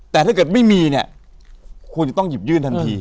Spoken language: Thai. แต่ถ้าเกิดไม่มีเนี่ยควรจะต้องหยิบยื่นทันที